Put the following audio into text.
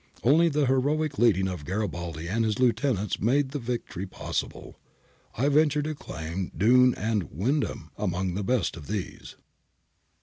Only the heroic leading of Garibaldi and his Lieutenants made the victory possible. I venture to claim Dunne and Wyndham among the best of these.'